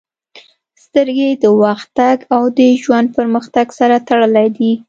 • سترګې د وخت تګ او د ژوند پرمختګ سره تړلې دي.